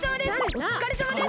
おつかれさまです！